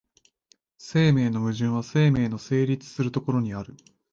生命の矛盾は生命の成立する所にある。